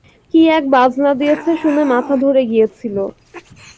কি এক বাজনা দিয়েছে শুনে মাথা ধরে গিয়েছিল।